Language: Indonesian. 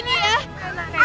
dengarin tante dulu ya